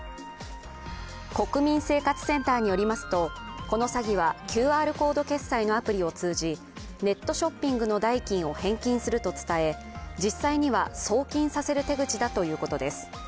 国民生活センターによりますとこの詐欺はＱＲコード決済のアプリを通じ、ネットショッピングの代金を返金すると伝え、実際には送金させる手口だということです。